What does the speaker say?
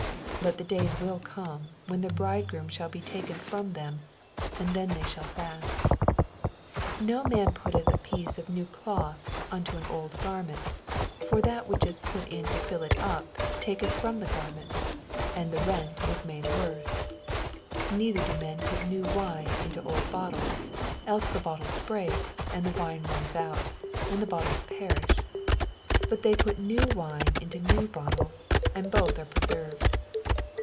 but the days will oome, when the bridegroom shall be taken frova. them, and then shall they fast. 16 No man putteth a piece of new cloth unto an old gannent, for that which is put in to fill it up taketh from the garment, and the rent is made worse^ 17 Neither do men put new wine into old bottles : else the bottles break, and the wine runneth out, and the bottles perish : but they put new wine into new bottles, and both are pro pers ed.